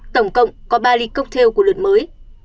tổng cộng có ba ly cocktail của lượt mới